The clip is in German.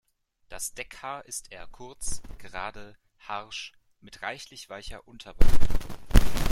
Das Deckhaar ist eher kurz, gerade, harsch mit reichlich weicher Unterwolle.